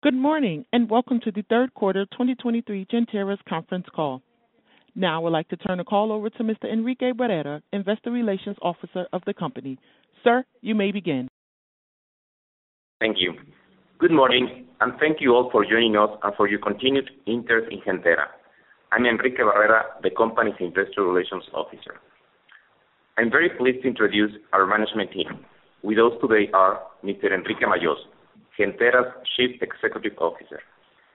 Good morning, and welcome to the Q3 2023 Gentera's conference call. Now, I would like to turn the call over to Mr. Enrique Barrera, Investor Relations Officer of the company. Sir, you may begin. Thank you. Good morning, and thank you all for joining us and for your continued interest in Gentera. I'm Enrique Barrera, the company's investor relations officer. I'm very pleased to introduce our management team. With us today are Mr. Enrique Majós, Gentera's Chief Executive Officer,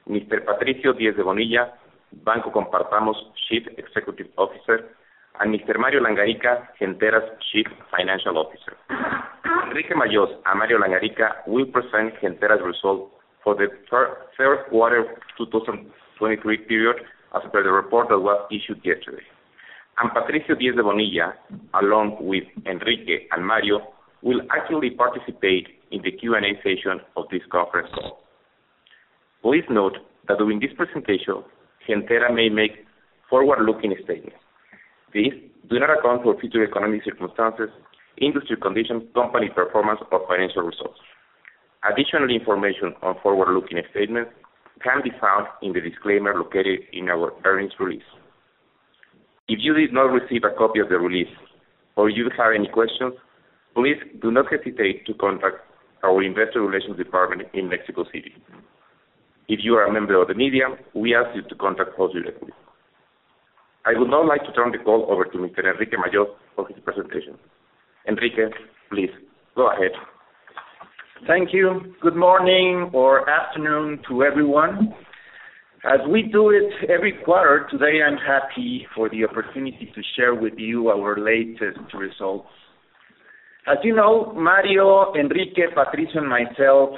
Mr. Patricio Diez de Bonilla, Banco Compartamos Chief Executive Officer, and Mr. Mario Langarica, Gentera's Chief Financial Officer. Enrique Majós and Mario Langarica will present Gentera's results for the Q3 2023 period, as per the report that was issued yesterday. Patricio Diez de Bonilla, along with Enrique and Mario, will actually participate in the Q&A session of this conference call. Please note that during this presentation, Gentera may make forward-looking statements. These do not account for future economic circumstances, industry conditions, company performance, or financial results. Additional information on forward-looking statements can be found in the disclaimer located in our earnings release. If you did not receive a copy of the release or you have any questions, please do not hesitate to contact our investor relations department in Mexico City. If you are a member of the media, we ask you to contact us directly. I would now like to turn the call over to Mr. Enrique Majós for his presentation. Enrique, please go ahead. Thank you. Good morning or afternoon to everyone. As we do it every quarter, today, I'm happy for the opportunity to share with you our latest results. As you know, Mario, Enrique, Patricio, and myself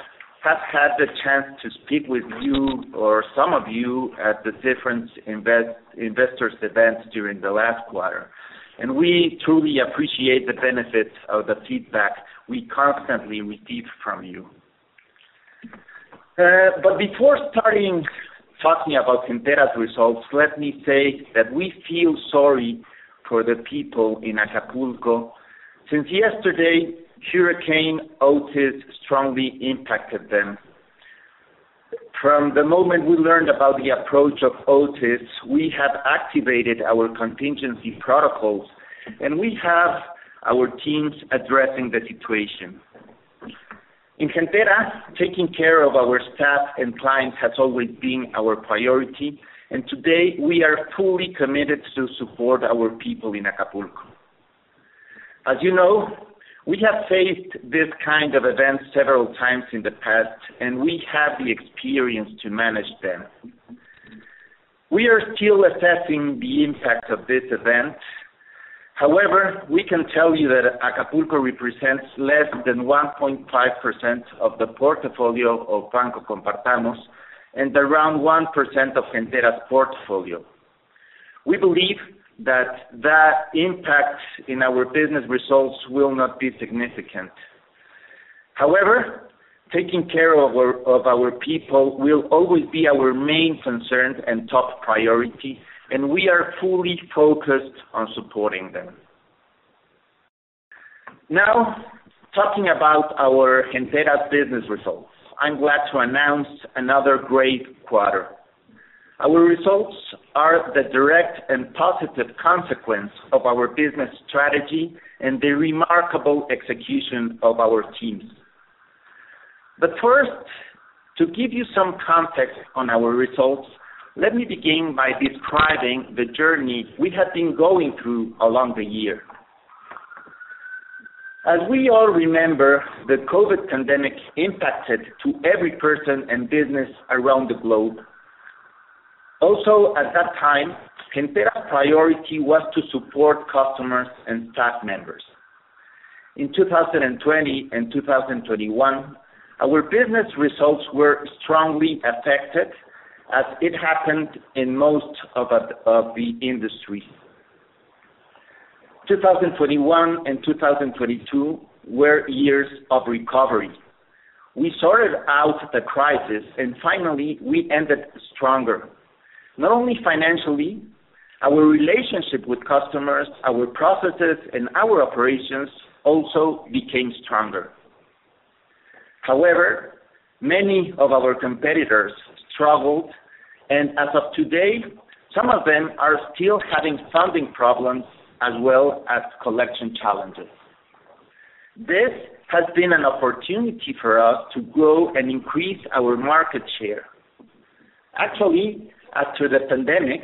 have had the chance to speak with you or some of you at the different investor events during the last quarter, and we truly appreciate the benefits of the feedback we constantly receive from you. But before starting talking about Gentera's results, let me say that we feel sorry for the people in Acapulco. Since yesterday, Hurricane Otis strongly impacted them. From the moment we learned about the approach of Otis, we have activated our contingency protocols, and we have our teams addressing the situation. In Gentera, taking care of our staff and clients has always been our priority, and today, we are fully committed to support our people in Acapulco. As you know, we have faced this kind of event several times in the past, and we have the experience to manage them. We are still assessing the impact of this event. However, we can tell you that Acapulco represents less than 1.5% of the portfolio of Banco Compartamos and around 1% of Gentera's portfolio. We believe that the impact in our business results will not be significant. However, taking care of our people will always be our main concern and top priority, and we are fully focused on supporting them. Now, talking about our Gentera business results, I'm glad to announce another great quarter. Our results are the direct and positive consequence of our business strategy and the remarkable execution of our teams. But first, to give you some context on our results, let me begin by describing the journey we have been going through along the year. As we all remember, the COVID pandemic impacted every person and business around the globe. Also, at that time, Gentera's priority was to support customers and staff members. In 2020 and 2021, our business results were strongly affected, as it happened in most of the industry. 2021 and 2022 were years of recovery. We sorted out the crisis, and finally, we ended stronger. Not only financially, our relationship with customers, our processes, and our operations also became stronger. However, many of our competitors struggled, and as of today, some of them are still having funding problems as well as collection challenges. This has been an opportunity for us to grow and increase our market share. Actually, after the pandemic,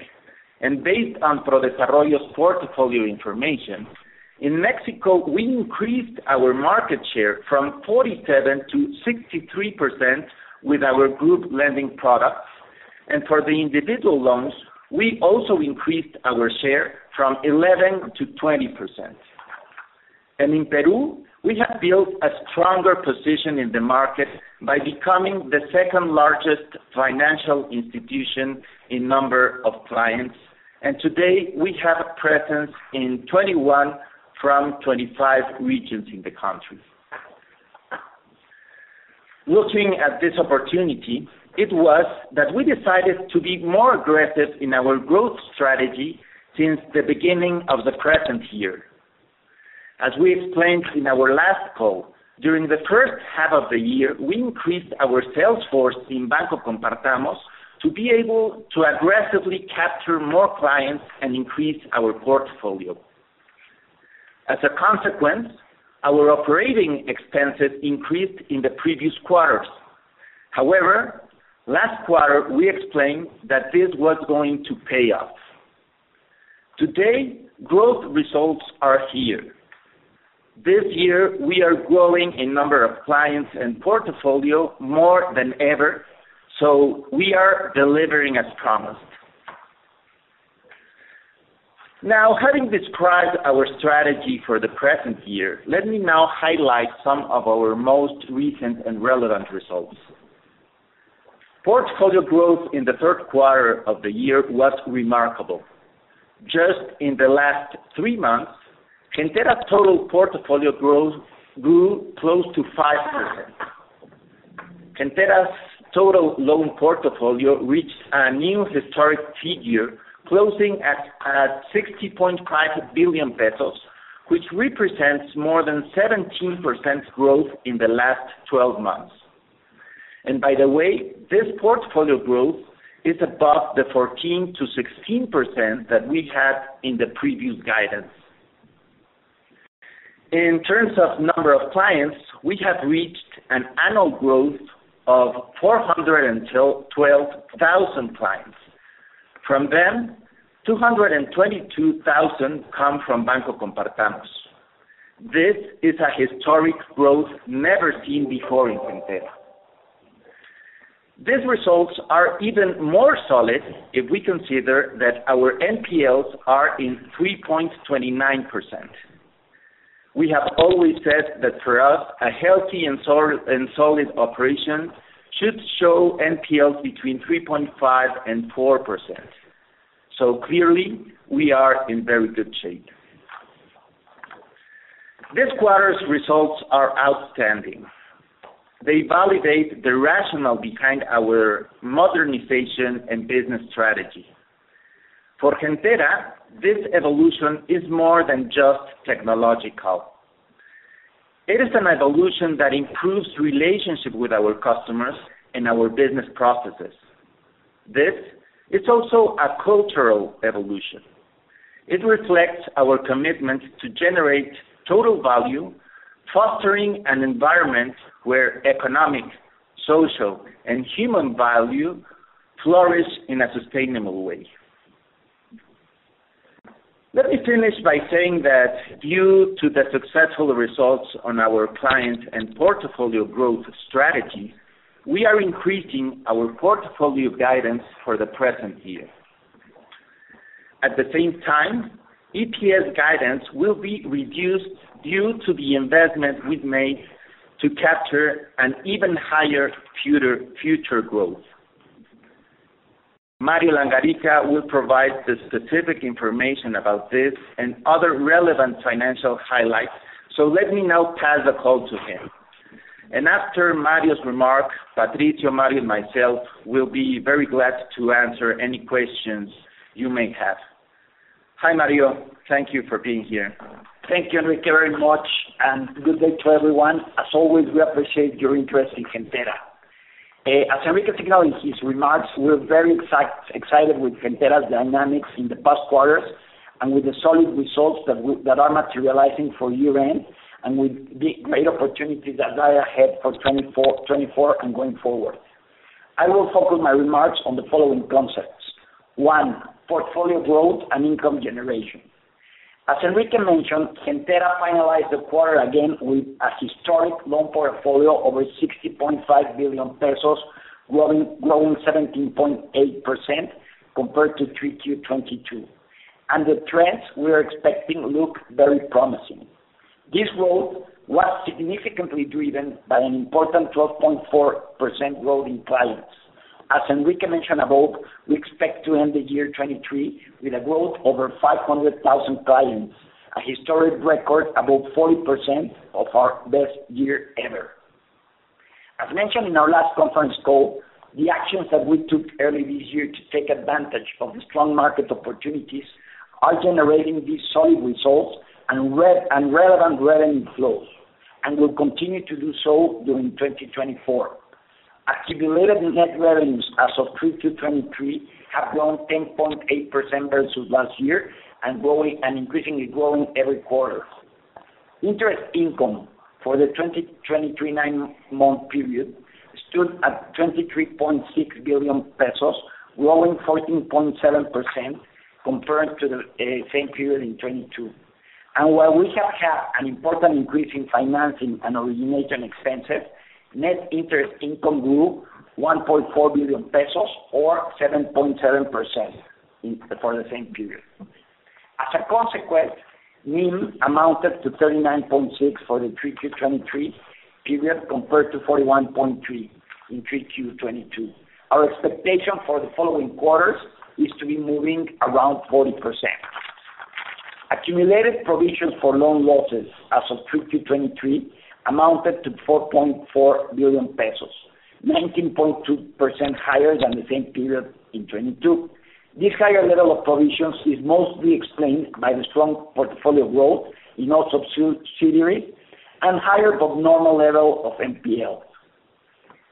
and based on ProDesarrollo's portfolio information, in Mexico, we increased our market share from 47%-63% with our group lending products, and for the individual loans, we also increased our share from 11%-20%. And in Peru, we have built a stronger position in the market by becoming the second-largest financial institution in number of clients, and today we have a presence in 21 from 25 regions in the country. Looking at this opportunity, it was that we decided to be more aggressive in our growth strategy since the beginning of the present year, as we explained in our last call, during the H1 of the year, we increased our sales force in Banco Compartamos to be able to aggressively capture more clients and increase our portfolio. As a consequence, our operating expenses increased in the previous quarters. However, last quarter, we explained that this was going to pay off. Today, growth results are here. This year, we are growing in number of clients and portfolio more than ever, so we are delivering as promised. Now, having described our strategy for the present year, let me now highlight some of our most recent and relevant results. Portfolio growth in the Q3 of the year was remarkable. Just in the last three months, Gentera total portfolio growth grew close to 5%. Gentera's total loan portfolio reached a new historic figure, closing at 60.5 billion pesos, which represents more than 17% growth in the last twelve months. And by the way, this portfolio growth is above the 14%-16% that we had in the previous guidance. In terms of number of clients, we have reached an annual growth of 412,000 clients. From them, 222,000 come from Banco Compartamos. This is a historic growth never seen before in Gentera. These results are even more solid if we consider that our NPLs are in 3.29%. We have always said that for us, a healthy and solid operation should show NPLs between 3.5% and 4%. So clearly, we are in very good shape. This quarter's results are outstanding. They validate the rationale behind our modernization and business strategy. For Gentera, this evolution is more than just technological. It is an evolution that improves relationship with our customers and our business processes. This is also a cultural evolution. It reflects our commitment to generate total value, fostering an environment where economic, social, and human value flourish in a sustainable way. Let me finish by saying that due to the successful results on our client and portfolio growth strategy, we are increasing our portfolio guidance for the present year. At the same time, EPS guidance will be reduced due to the investment we've made to capture an even higher future, future growth. Mario Langarica will provide the specific information about this and other relevant financial highlights, so let me now pass the call to him. After Mario's remarks, Patricio, Mario, and myself will be very glad to answer any questions you may have. Hi, Mario, thank you for being here. Thank you, Enrique, very much, and good day to everyone. As always, we appreciate your interest in Gentera. As Enrique signaled in his remarks, we're very excited with Gentera's dynamics in the past quarters, and with the solid results that that are materializing for year-end, and with the great opportunities that lie ahead for 2024 and going forward. I will focus my remarks on the following concepts: one, portfolio growth and income generation. As Enrique mentioned, Gentera finalized the quarter again with a historic loan portfolio over 60.5 billion pesos, growing 17.8% compared to 3Q 2022. The trends we are expecting look very promising. This growth was significantly driven by an important 12.4% growth in clients. As Enrique mentioned above, we expect to end the year 2023 with a growth over 500,000 clients, a historic record, about 40% of our best year ever. As mentioned in our last conference call, the actions that we took early this year to take advantage of the strong market opportunities are generating these solid results and re- and relevant revenue flows, and will continue to do so during 2024. Accumulated net revenues as of 3Q 2023 have grown 10.8% versus last year, and growing-- and increasingly growing every quarter. Interest income for the 2023, nine-month period stood at 23.6 billion pesos, growing 14.7% compared to the same period in 2022. While we have had an important increase in financing and origination expenses, net interest income grew 1.4 billion pesos or 7.7% for the same period. As a consequence, NIM amounted to 39.6% for the 3Q 2023 period, compared to 41.3% in 3Q 2022. Our expectation for the following quarters is to be moving around 40%. Accumulated provision for loan losses as of 3Q 2023 amounted to 4.4 billion pesos, 19.2% higher than the same period in 2022. This higher level of provisions is mostly explained by the strong portfolio growth in all subsidiary, and higher but normal level of NPL.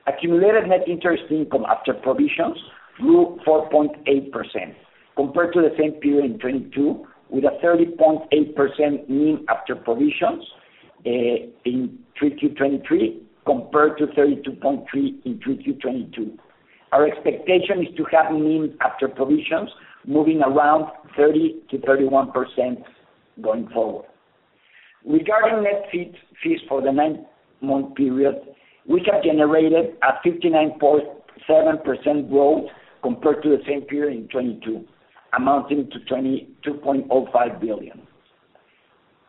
Accumulated net interest income after provisions grew 4.8% compared to the same period in 2022, with a 30.8% NIM after provisions in 3Q 2023, compared to 32.3 in 3Q 2022. Our expectation is to have NIM after provisions moving around 30%-31% going forward. Regarding net fee, fees for the nine-month period, we have generated a 59.7% growth compared to the same period in 2022, amounting to 22.05 billion.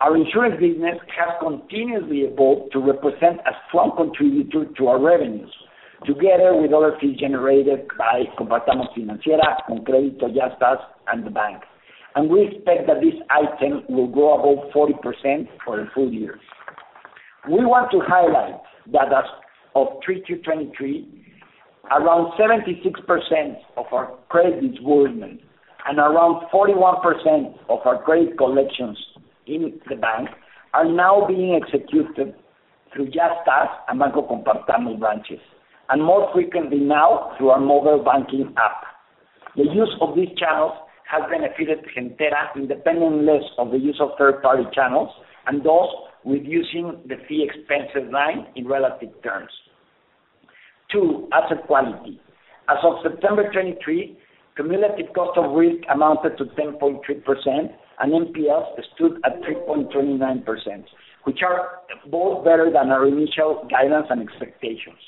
Our insurance business has continuously evolved to represent a strong contributor to our revenues, together with other fees generated by Compartamos Financiera, ConCrédito, Yastás, and the bank. And we expect that this item will grow above 40% for the full year. We want to highlight that as of 3Q 2023, around 76% of our credits were made, and around 41% of our credit collections in the bank are now being executed through Yastás and Banco Compartamos branches, and more frequently now through our mobile banking app. The use of these channels has benefited Gentera independently of the use of third-party channels, and thus reducing the fee expense line in relative terms. Two, asset quality. As of September 2023, cumulative cost of risk amounted to 10.3%, and NPLs stood at 3.29%, which are both better than our initial guidance and expectations.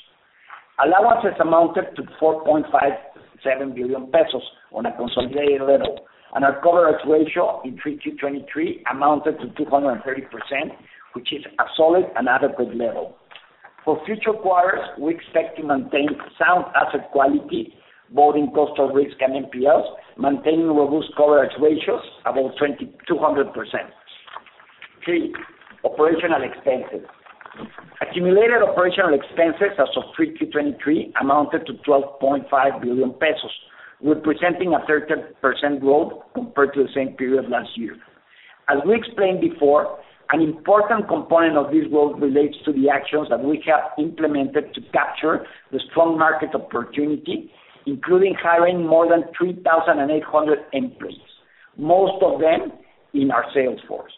Allowances amounted to 4.57 billion pesos on a consolidated level, and our coverage ratio in 3Q 2023 amounted to 230%, which is a solid and adequate level. For future quarters, we expect to maintain sound asset quality, both in cost of risk and NPLs, maintaining robust coverage ratios above 2,200%. Three, operational expenses. Accumulated operational expenses as of 3Q 2023 amounted to 12.5 billion pesos, representing a 13% growth compared to the same period last year. As we explained before, an important component of this growth relates to the actions that we have implemented to capture the strong market opportunity, including hiring more than 3,800 employees, most of them in our sales force.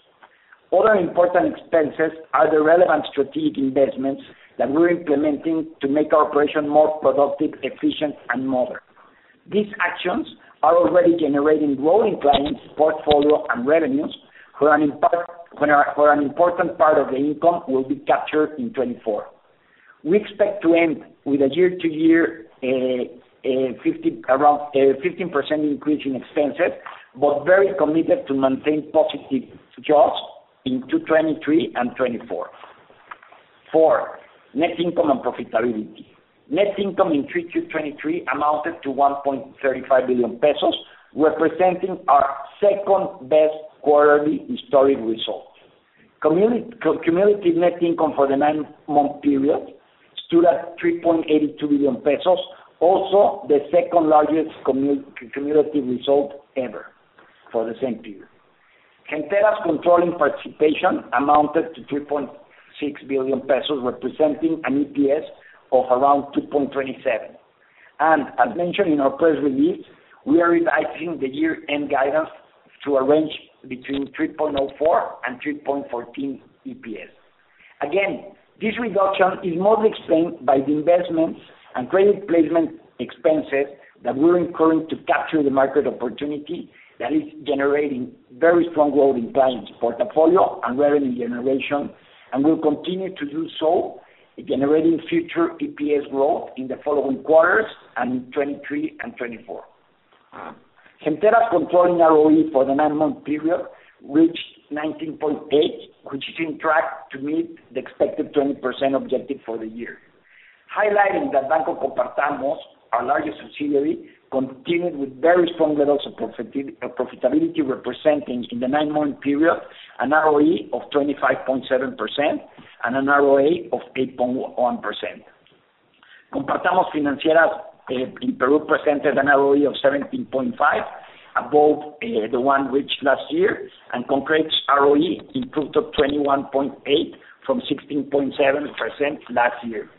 Other important expenses are the relevant strategic investments that we're implementing to make our operation more productive, efficient, and modern. These actions are already generating growth in clients, portfolio, and revenues, for an important part of the income will be captured in 2024. We expect to end with a year-to-year around fifteen percent increase in expenses, but very committed to maintain positive jaws in 2023 and 2024. Net income and profitability. Net income in 3Q 2023 amounted to 1.35 billion pesos, representing our second-best quarterly historic result. Cumulative net income for the nine-month period stood at 3.82 billion pesos, also the second-largest cumulative result ever for the same period. Gentera's controlling participation amounted to 3.6 billion pesos, representing an EPS of around 2.27. And as mentioned in our press release, we are revising the year-end guidance to a range between 3.04 and 3.14 EPS. Again, this reduction is mostly explained by the investments and credit placement expenses that we're incurring to capture the market opportunity that is generating very strong growth in clients' portfolio and revenue generation, and will continue to do so, generating future EPS growth in the following quarters and in 2023 and 2024. Gentera's controlling ROE for the nine-month period reached 19.8, which is on track to meet the expected 20% objective for the year. Highlighting that Banco Compartamos, our largest subsidiary, continued with very strong levels of profitability, representing in the nine-month period, an ROE of 25.7% and an ROA of 8.1%. Compartamos Financiera in Peru presented an ROE of 17.5, above the one reached last year, and ConCrédito's ROE improved to 21.8 from 16.7% last year.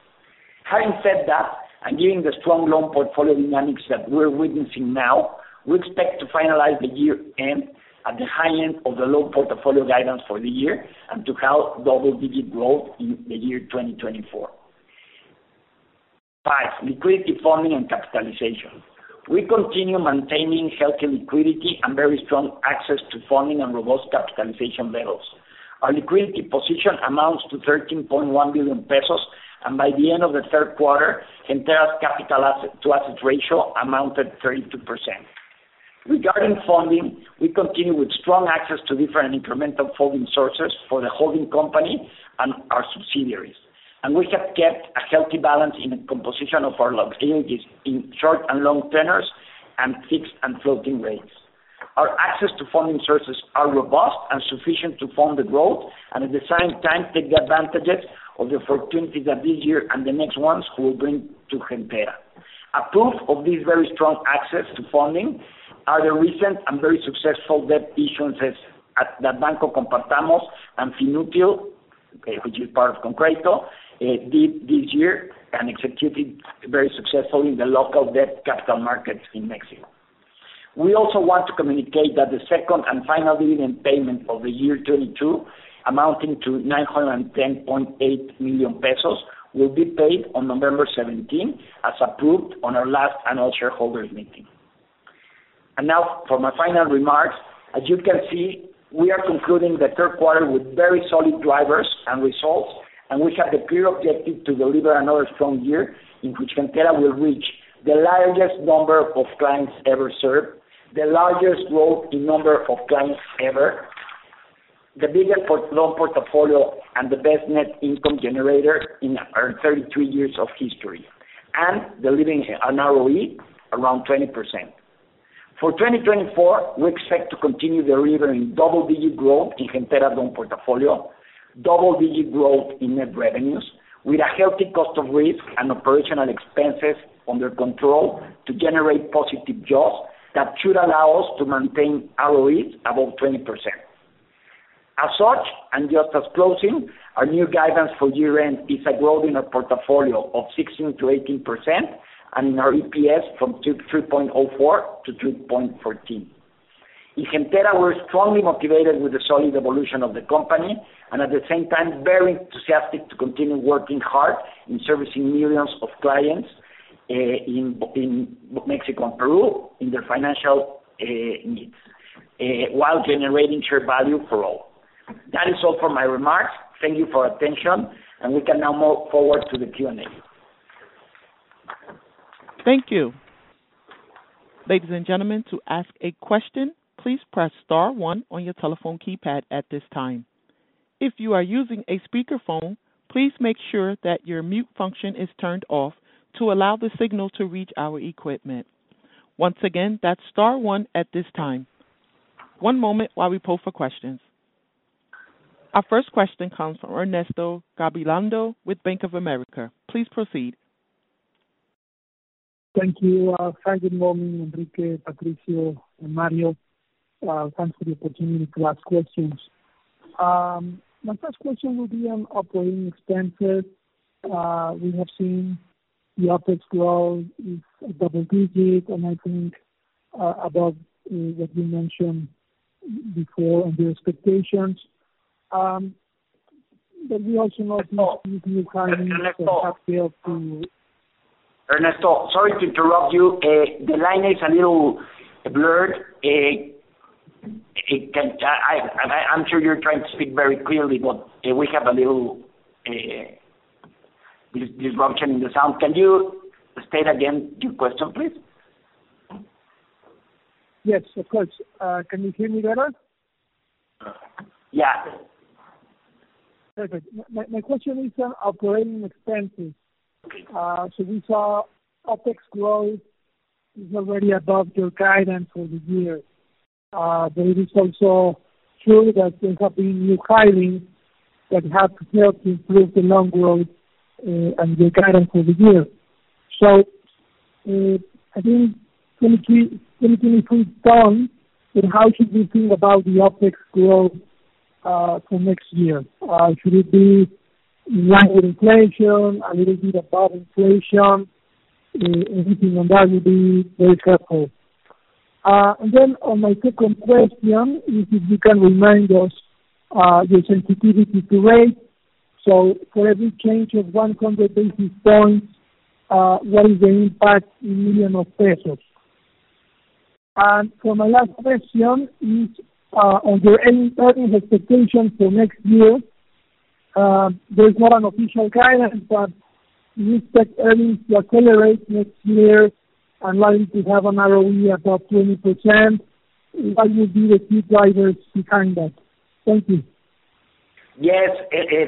Having said that, and given the strong loan portfolio dynamics that we're witnessing now, we expect to finalize the year-end at the high end of the loan portfolio guidance for the year, and to have double-digit growth in the year 2024. Five, liquidity funding and capitalization. We continue maintaining healthy liquidity and very strong access to funding and robust capitalization levels. Our liquidity position amounts to 13.1 billion pesos, and by the end of the Q3, Gentera's capital to assets ratio amounted to 32%. Regarding funding, we continue with strong access to different incremental funding sources for the holding company and our subsidiaries. And we have kept a healthy balance in the composition of our liabilities in short and long tenors, and fixed and floating rates. Our access to funding sources are robust and sufficient to fund the growth, and at the same time, take the advantages of the opportunities that this year and the next ones will bring to Gentera. A proof of this very strong access to funding are the recent and very successful debt issuances at the Banco Compartamos and FinÚtil okay, which is part of ConCrédito, did this year and executed very successfully in the local debt capital markets in Mexico. We also want to communicate that the second and final dividend payment of the year 2022, amounting to 910.8 million pesos, will be paid on November 17, as approved on our last annual shareholders meeting. And now for my final remarks. As you can see, we are concluding the Q3 with very solid drivers and results, and we have the clear objective to deliver another strong year, in which Gentera will reach the largest number of clients ever served, the largest growth in number of clients ever, the biggest loan portfolio, and the best net income generator in our 33 years of history, and delivering an ROE around 20%. For 2024, we expect to continue delivering double-digit growth in Gentera loan portfolio, double-digit growth in net revenues, with a healthy cost of risk and operational expenses under control to generate positive jaws that should allow us to maintain ROEs above 20%. As such, and just as closing, our new guidance for year-end is a growth in our portfolio of 16%-18%, and in our EPS from 2.304-3.14. In Gentera, we're strongly motivated with the solid evolution of the company, and at the same time, very enthusiastic to continue working hard in servicing millions of clients in Mexico and Peru in their financial needs while generating share value for all. That is all for my remarks. Thank you for your attention, and we can now move forward to the Q&A. Thank you. Ladies and gentlemen, to ask a question, please press star one on your telephone keypad at this time. If you are using a speakerphone, please make sure that your mute function is turned off to allow the signal to reach our equipment. Once again, that's star one at this time. One moment while we poll for questions. Our first question comes from Ernesto Gabilondo with Bank of America. Please proceed. Thank you. Hi, good morning, Enrique, Patricio, and Mario. Thanks for the opportunity to ask questions. My first question would be on operating expenses. We have seen the OpEx growth is double digits, and I think, above, what you mentioned before and the expectations. But we also know- Ernesto- with new hirings and staff here to Ernesto, sorry to interrupt you. The line is a little blurred. It can-- I, I'm sure you're trying to speak very clearly, but we have a little disruption in the sound. Can you state again your question, please? Yes, of course. Can you hear me better? Yeah. Perfect. My question is on operating expenses. Okay. So we saw OpEx growth is already above your guidance for the year. But it is also true that there have been new hirings that have helped to improve the loan growth, and the guidance for the year. So, I think can you please tell me, then how should we think about the OpEx growth for next year? Should it be in line with inflation, a little bit above inflation, anything on that would be very helpful. And then on my second question is if you can remind us your sensitivity to rates. So for every change of 100 basis points, what is the impact in millions of MXN? And for my last question is, are there any earnings expectations for next year? There is not an official guidance, but you expect earnings to accelerate next year and likely to have an ROE above 20%. What would be the key drivers behind that? Thank you. Yes,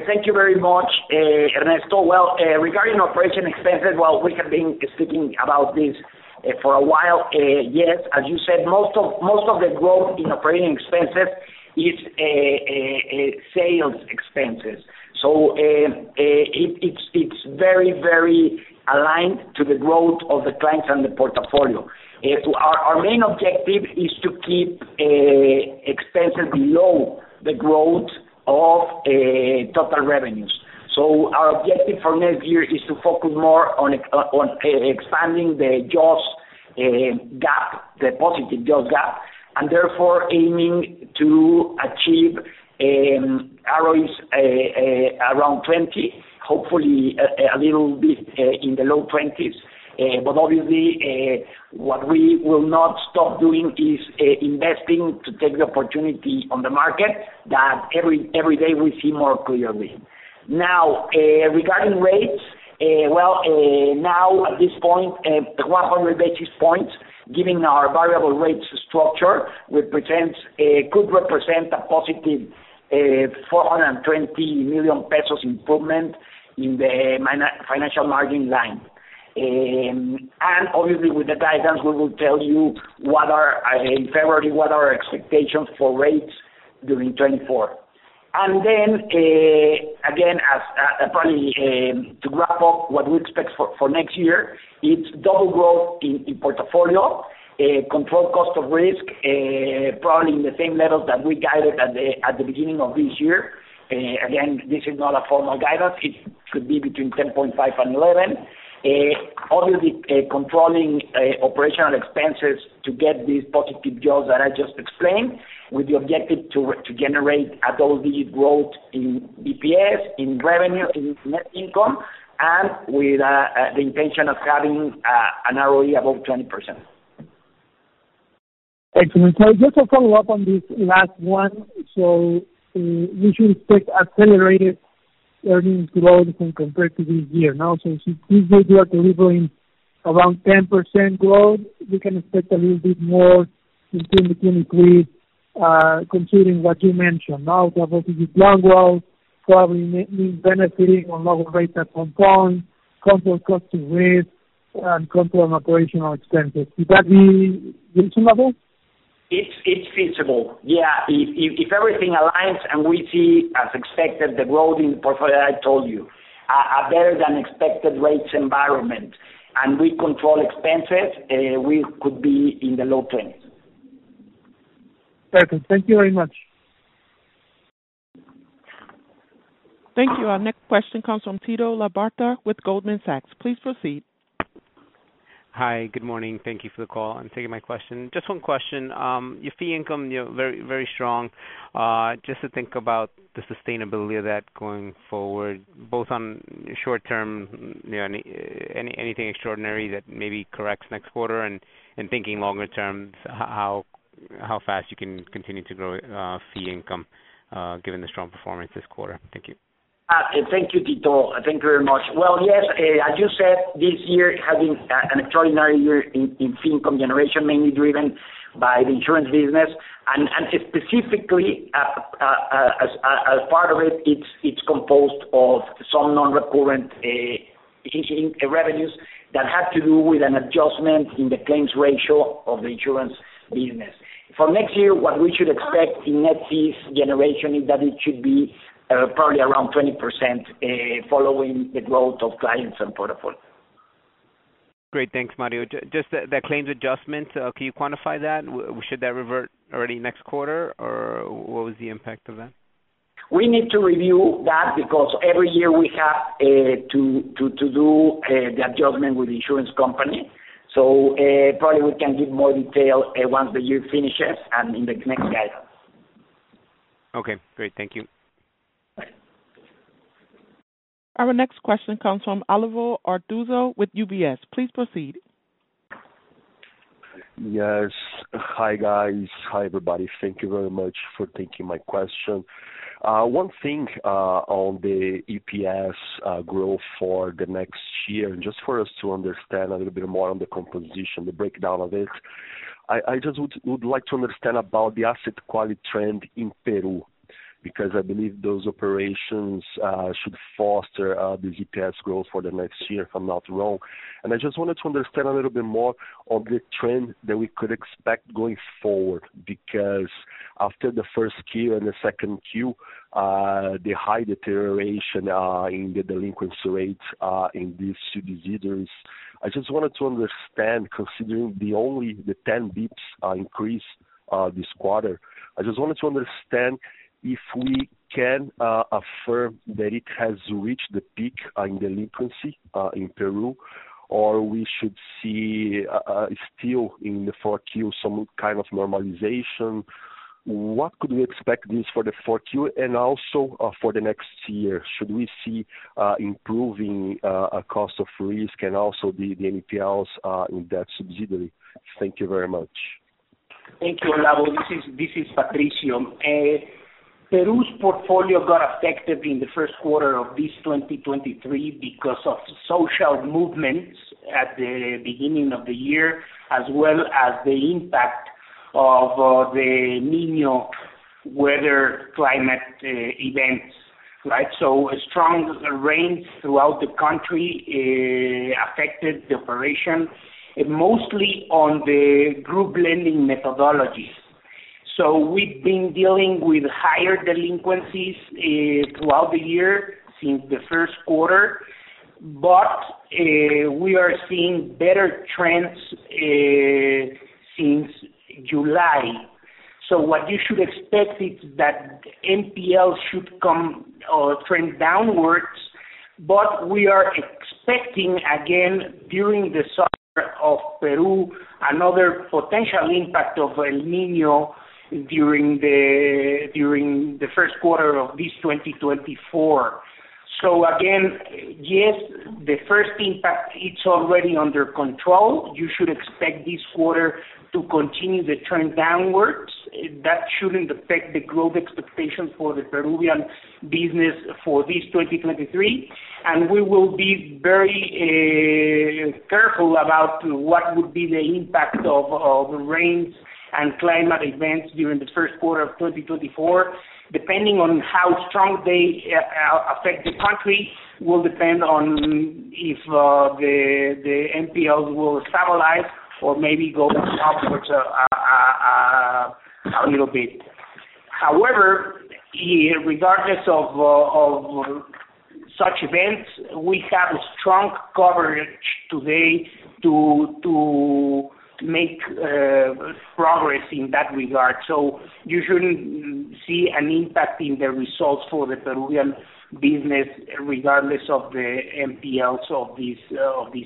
thank you very much, Ernesto. Well, regarding operating expenses, well, we have been speaking about this for a while. Yes, as you said, most of the growth in operating expenses is sales expenses. So, it's very, very aligned to the growth of the clients and the portfolio. So our main objective is to keep expenses below the growth of total revenues. So our objective for next year is to focus more on expanding the jaws gap, the positive jaws gap, and therefore aiming to achieve ROEs around 20, hopefully, a little bit in the low 20s. Obviously, what we will not stop doing is investing to take the opportunity on the market that every day we see more clearly. Now, regarding rates, well, now at this point, 100 basis points, given our variable rate structure, which presents—could represent a positive 420 million pesos improvement in the financial margin line. And, obviously with the guidance, we will tell you what are, in February, what are our expectations for rates during 2024. Again, as probably, to wrap up what we expect for next year, it's double growth in portfolio, control cost of risk, probably in the same levels that we guided at the beginning of this year. Again, this is not a formal guidance, it could be between 10.5 and 11. Obviously, controlling operational expenses to get these positive jaws that I just explained, with the objective to generate a double-digit growth in EPS, in revenue, in net income, and with the intention of having an ROE above 20%. Excellent. Just to follow up on this last one, we should expect accelerated earnings growth compared to this year. Now, since this year you are delivering around 10% growth, we can expect a little bit more between the three, considering what you mentioned. Now, obviously, loan growth probably benefiting on lower rates at Hong Kong, control cost of risk, and control on operational expenses. Is that reasonable? It's feasible. Yeah, if everything aligns and we see, as expected, the growth in the portfolio, I told you, a better-than-expected rates environment, and we control expenses, we could be in the low 20s. Perfect. Thank you very much. Thank you. Our next question comes from Tito Labarta with Goldman Sachs. Please proceed. Hi, good morning, thank you for the call and taking my question. Just one question, your fee income, you know, very, very strong. Just to think about the sustainability of that going forward, both on short term, you know, anything extraordinary that maybe corrects next quarter, and thinking longer term, how fast you can continue to grow, fee income, given the strong performance this quarter? Thank you. Thank you, Tido. Thank you very much. Well, yes, as you said, this year has been an extraordinary year in fee income generation, mainly driven by the insurance business. And specifically, as part of it, it's composed of some non-recurrent revenues that have to do with an adjustment in the claims ratio of the insurance business. For next year, what we should expect in net fees generation, is that it should be probably around 20%, following the growth of clients and portfolio. Great, thanks, Mario. Just that claims adjustment, can you quantify that? Should that revert early next quarter, or what was the impact of that? We need to review that, because every year we have to do the adjustment with the insurance company. So, probably we can give more detail once the year finishes and in the next guidance. Okay, great. Thank you. Bye. Our next question comes from Olavo Arthuzo with UBS. Please proceed. Yes. Hi, guys. Hi, everybody, thank you very much for taking my question. One thing, on the EPS growth for the next year, and just for us to understand a little bit more on the composition, the breakdown of it. I just would like to understand about the asset quality trend in Peru, because I believe those operations should foster the EPS growth for the next year, if I'm not wrong. I just wanted to understand a little bit more on the trend that we could expect going forward, because after the first Q and the second Q, the high deterioration in the delinquency rates in these two years, I just wanted to understand, considering only the 10 basis points increase this quarter. I just wanted to understand if we can affirm that it has reached the peak in delinquency in Peru, or we should see still in the 4Q some kind of normalization. What could we expect this for the 4Q and also for the next year? Should we see improving a Cost of Risk and also the NPLs in that subsidiary? Thank you very much. Thank you, Olavo. This is, this is Patricio. Peru's portfolio got affected in the Q1 of this 2023 because of social movements at the beginning of the year, as well as the impact of the Niño weather climate events, right? Strong rains throughout the country affected the operation, and mostly on the group lending methodologies. We've been dealing with higher delinquencies throughout the year, since the Q1, but we are seeing better trends since July. What you should expect is that NPL should trend downwards, but we are expecting, again, during the summer of Peru, another potential impact of El Niño during the Q1 of this 2024. Again, yes, the first impact, it's already under control. You should expect this quarter to continue the trend downward... That shouldn't affect the growth expectations for the Peruvian business for this 2023. And we will be very careful about what would be the impact of the rains and climate events during the Q1 of 2024. Depending on how strong they affect the country, will depend on if the NPLs will stabilize or maybe go upwards a little bit. However, regardless of such events, we have a strong coverage today to make progress in that regard. So you shouldn't see an impact in the results for the Peruvian business, regardless of the NPLs of this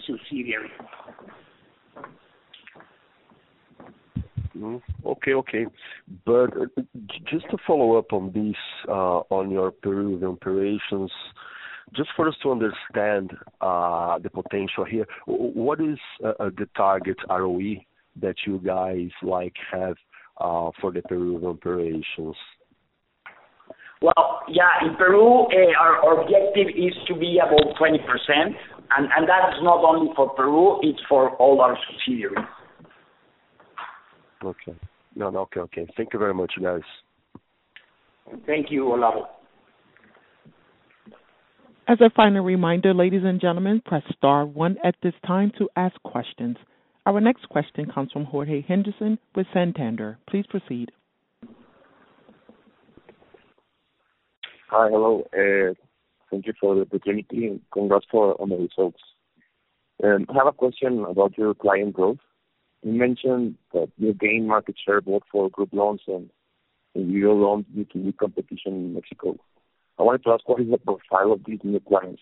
subsidiary. Mm. Okay, okay. Just to follow up on this, on your Peru operations, just for us to understand the potential here, what is the target ROE that you guys, like, have for the Peru operations? Well, yeah, in Peru, our objective is to be above 20%, and that is not only for Peru, it's for all our subsidiaries. Okay. No, okay, okay. Thank you very much, guys. Thank you, Olavo. As a final reminder, ladies and gentlemen, press star one at this time to ask questions. Our next question comes from Jorge Henderson with Santander. Please proceed. Hi. Hello, thank you for the opportunity, and congrats for on the results. I have a question about your client growth. You mentioned that you gained market share both for group loans and individual loans due to new competition in Mexico. I wanted to ask what is the profile of these new clients?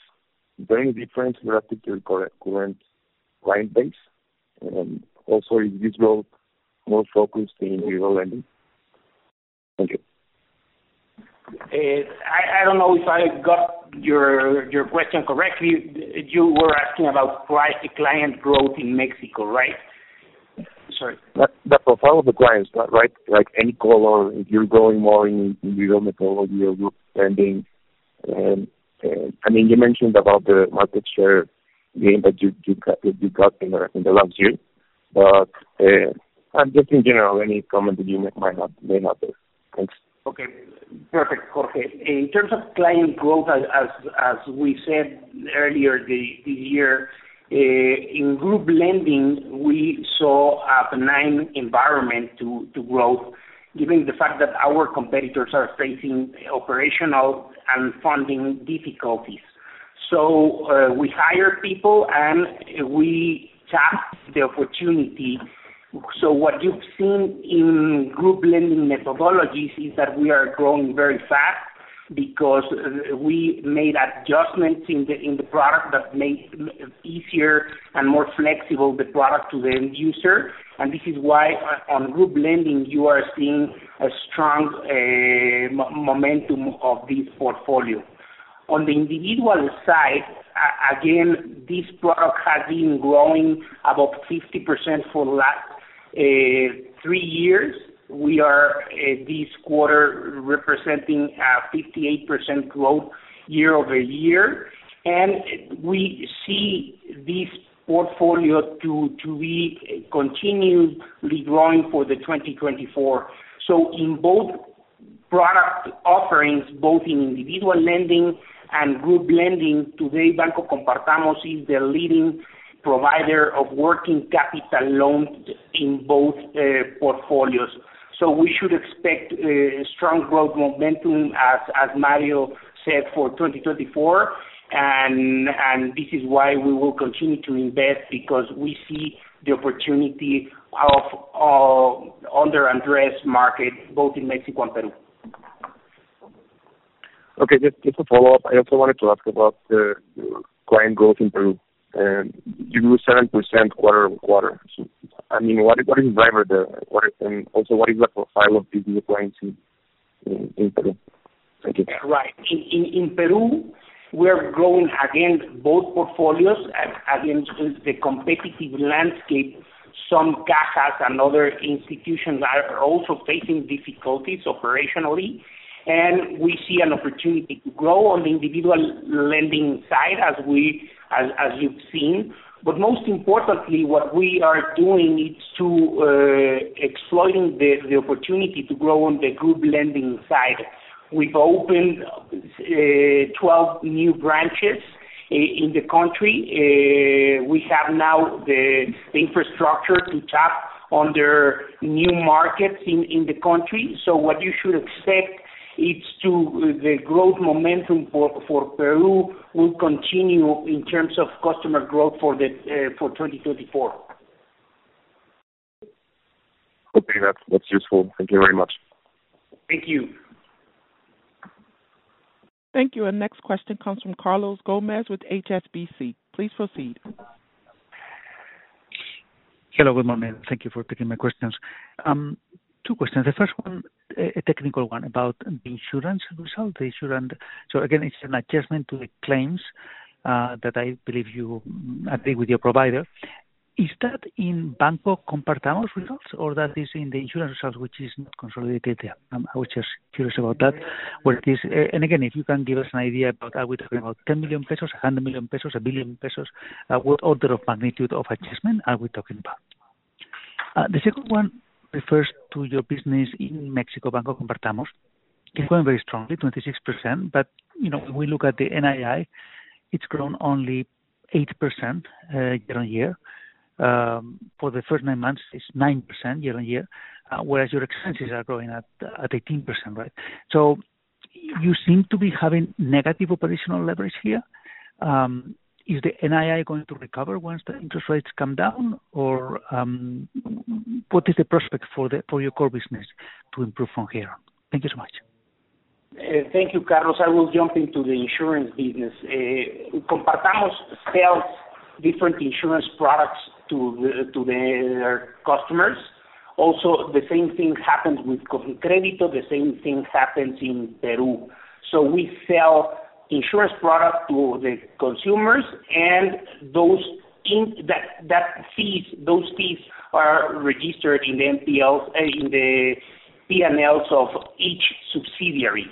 Very different relative to your current client base, and also is this more focused in individual lending? Thank you. I don't know if I got your question correctly. You were asking about client growth in Mexico, right? Sorry. The profile of the clients, right? Like, any color, if you're growing more in individual methodology or group lending? I mean, you mentioned about the market share gain that you got in the last year. But, and just in general, any comment that you make might not, may not there. Thanks. Okay, perfect, Jorge. In terms of client growth, as we said earlier, the year in group lending, we saw a benign environment to growth given the fact that our competitors are facing operational and funding difficulties. So, we hire people and we tap the opportunity. So what you've seen in group lending methodologies is that we are growing very fast because we made adjustments in the product that make easier and more flexible the product to the end user, and this is why on group lending, you are seeing a strong momentum of this portfolio. On the individual side, again, this product has been growing about 50% for the last three years. We are this quarter representing a 58% growth year-over-year, and we see this portfolio to be continuously growing for the 2024. So in both product offerings, both in individual lending and group lending, today, Banco Compartamos is the leading provider of working capital loans in both portfolios. So we should expect strong growth momentum, as Mario said, for 2024. And this is why we will continue to invest, because we see the opportunity of under-addressed market, both in Mexico and Peru. Okay, just a follow-up. I also wanted to ask about the client growth in Peru. You grew 7% quarter-over-quarter. I mean, what is the driver there? And also, what is the profile of these new clients in Peru? Thank you. Right. In Peru, we are growing against both portfolios, again, the competitive landscape. Some cajas and other institutions are also facing difficulties operationally, and we see an opportunity to grow on the individual lending side, as we've seen. But most importantly, what we are doing is to exploiting the opportunity to grow on the group lending side. We've opened 12 new branches in the country. We have now the infrastructure to tap on the new markets in the country. So what you should expect is to the growth momentum for Peru will continue in terms of customer growth for 2034. Okay, that's, that's useful. Thank you very much. Thank you. Thank you. Our next question comes from Carlos Gomez with HSBC. Please proceed. Hello, good morning. Thank you for taking my questions. Two questions. The first one, a technical one about the insurance result, the insurance... So again, it's an adjustment to the claims.... that I believe you agreed with your provider. Is that in Banco Compartamos results or that is in the insurance results, which is not consolidated there? I was just curious about that, where it is. And again, if you can give us an idea, about are we talking about 10 million pesos, 100 million pesos, 1 billion pesos? What order of magnitude of adjustment are we talking about? The second one refers to your business in Mexico, Banco Compartamos. It's growing very strongly, 26%, but, you know, when we look at the NII, it's grown only 8% year-on-year. For the first nine months, it's 9% year-on-year, whereas your expenses are growing at 18%, right? So you seem to be having negative operational leverage here. Is the NII going to recover once the interest rates come down? Or, what is the prospect for your core business to improve from here? Thank you so much. Thank you, Carlos. I will jump into the insurance business. Compartamos sells different insurance products to their customers. Also, the same thing happens with ConCrédito, the same thing happens in Peru. So we sell insurance product to the consumers and those fees are registered in the NPL, in the PNLs of each subsidiary.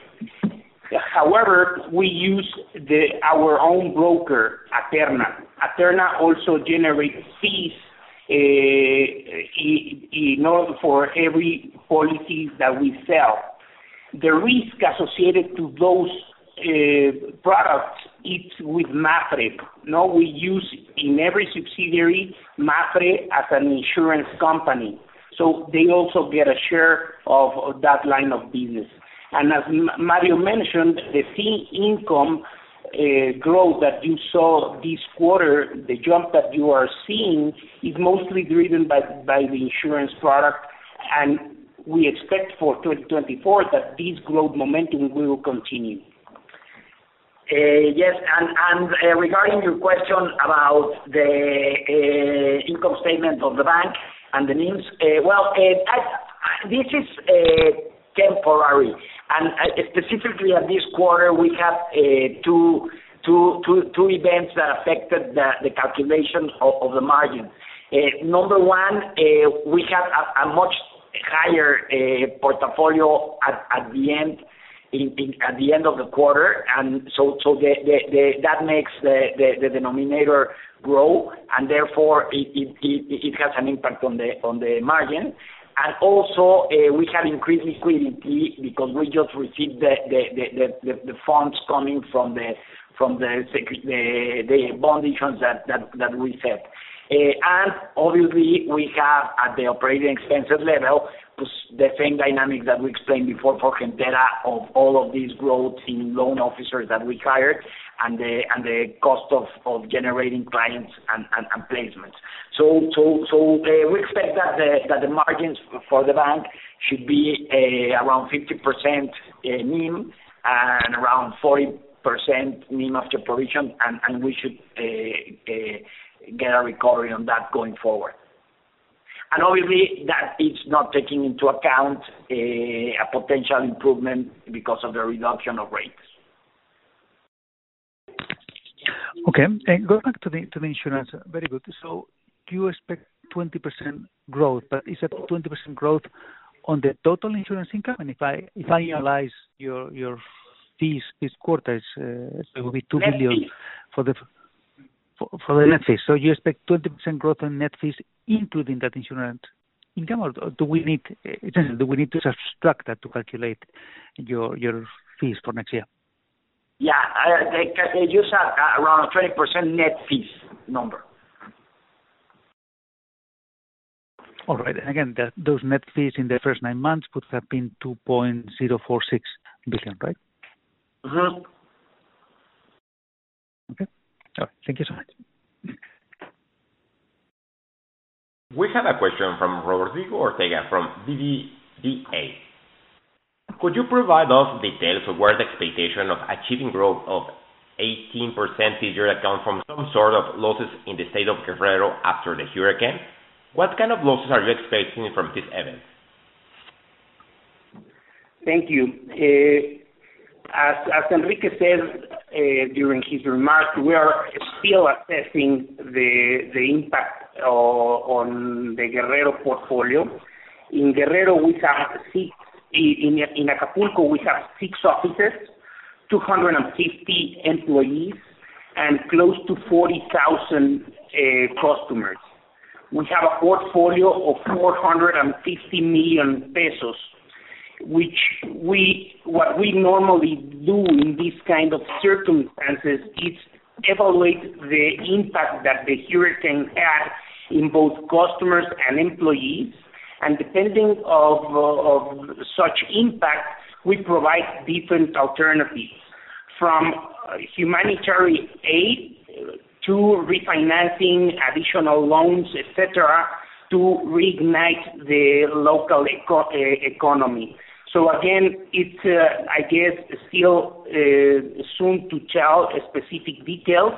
However, we use our own broker, Aterna. Aterna also generates fees in order for every policies that we sell. The risk associated to those products, it's with MAPFRE. Now, we use in every subsidiary, MAPFRE as an insurance company, so they also get a share of that line of business. And as Mario mentioned, the fee income growth that you saw this quarter, the jump that you are seeing, is mostly driven by the insurance product, and we expect for 2024 that this growth momentum will continue. Yes, and regarding your question about the income statement of the bank and the NIMs, well, this is temporary. And specifically at this quarter, we have two events that affected the calculation of the margin. Number one, we have a much higher portfolio at the end of the quarter, and so that makes the denominator grow, and therefore it has an impact on the margin. And also, we have increased liquidity because we just received the funds coming from the bond issuance that we set. And obviously, we have, at the operating expenses level, the same dynamic that we explained before for Gentera of all of these growth in loan officers that we hired and the cost of generating clients and placements. So, we expect that the margins for the bank should be around 50% NIM and around 40% NIM after provision, and we should get a recovery on that going forward. And obviously, that is not taking into account a potential improvement because of the reduction of rates. Okay, and going back to the insurance. Very good. So do you expect 20% growth, but is that 20% growth on the total insurance income? And if I analyze your fees this quarter, it will be 2 billion- For the net fees. So you expect 20% growth on net fees, including that insurance income, or do we need to subtract that to calculate your fees for next year? Yeah, like I use around a 20% net fees number. All right. Again, those net fees in the first nine months would have been 2.046 billion, right? Mm-hmm. Okay. All right, thank you so much. We have a question from Rodrigo Ortega, from BBVA. Could you provide us details of where the expectation of achieving growth of 18% this year come from some sort of losses in the state of Guerrero after the hurricane? What kind of losses are you expecting from this event? Thank you. As Enrique said during his remarks, we are still assessing the impact of, on the Guerrero portfolio. In Guerrero, we have six... In Acapulco, we have six offices, 250 employees, and close to 40,000 customers. We have a portfolio of 450 million pesos, which we—what we normally do in these kind of circumstances is evaluate the impact that the hurricane had in both customers and employees, and depending on such impact, we provide different alternatives, from humanitarian aid to refinancing additional loans, et cetera, to reignite the local economy. Again, it's, I guess, still soon to tell specific details....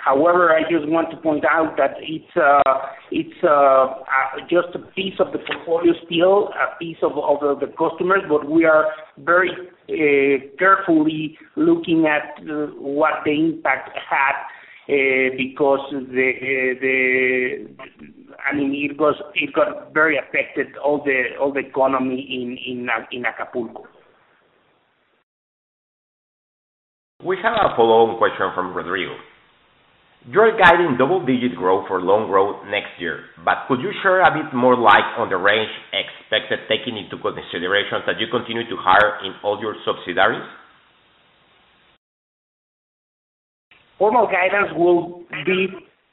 However, I just want to point out that it's just a piece of the portfolio still, a piece of the customers, but we are very carefully looking at what the impact had, because the—I mean, it was, it got very affected, all the economy in Acapulco. We have a follow-on question from Rodrigo. You are guiding double-digit growth for loan growth next year, but could you share a bit more light on the range expected, taking into consideration that you continue to hire in all your subsidiaries? Formal guidance will be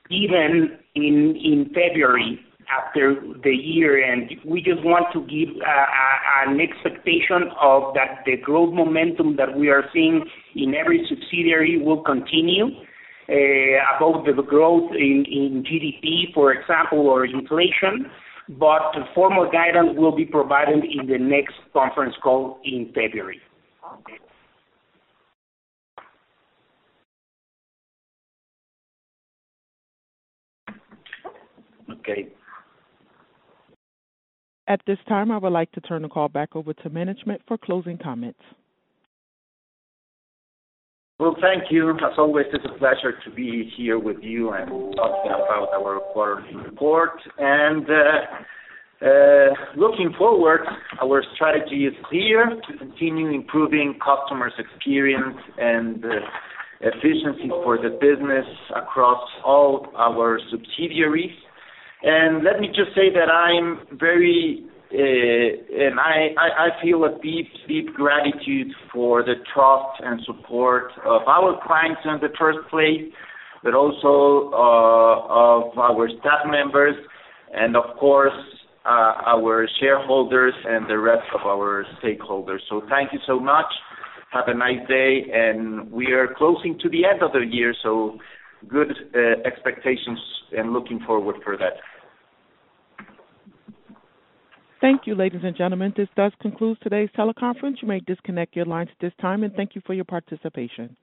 given in February after the year-end. We just want to give an expectation of that the growth momentum that we are seeing in every subsidiary will continue above the growth in GDP, for example, or inflation. But formal guidance will be provided in the next conference call in February. Okay. At this time, I would like to turn the call back over to management for closing comments. Well, thank you. As always, it's a pleasure to be here with you and talking about our quarterly report. Looking forward, our strategy is clear: to continue improving customers' experience and efficiency for the business across all our subsidiaries. Let me just say that I'm very... I feel a deep, deep gratitude for the trust and support of our clients in the first place, but also of our staff members and of course our shareholders and the rest of our stakeholders. So thank you so much. Have a nice day, and we are closing to the end of the year, so good expectations and looking forward for that. Thank you, ladies and gentlemen. This does conclude today's teleconference. You may disconnect your lines at this time, and thank you for your participation.